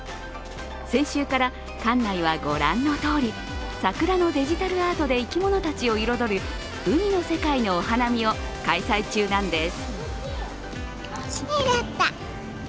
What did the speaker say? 先週から館内はご覧のとおり桜のデジタルアートで生き物たちを彩る海の世界のお花見を開催中なんです。